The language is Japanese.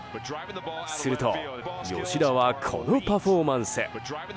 すると、吉田はこのパフォーマンス。